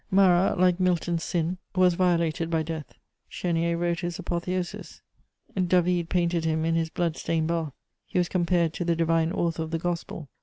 Marat, like Milton's Sin, was violated by death: Chénier wrote his apotheosis, David painted him in his blood stained bath; he was compared to the divine Author of the Gospel.